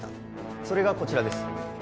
それがこちらです